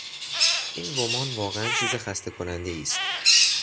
این رمان واقعا چیز خسته کنندهای است.